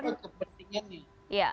ada apa kepentingannya